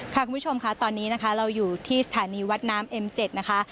คุณผู้ชมค่ะตอนนี้นะคะเราอยู่ที่สถานีวัดน้ำเอ็มเจ็ดนะคะ